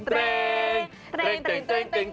เตรงเตรงเตรงเตรง